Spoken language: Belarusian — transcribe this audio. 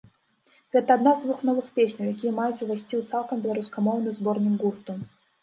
Гэта адна з двух новых песняў, якія маюць ўвайсці ў цалкам беларускамоўны зборнік гурту.